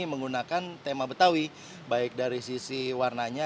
menggunakan tema betawi baik dari sisi warnanya